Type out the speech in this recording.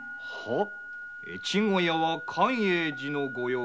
越後屋は寛永寺の御用達。